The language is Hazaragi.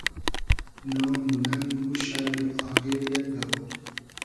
نام و نئنگ و شئرمی آغیل یئگ دئوور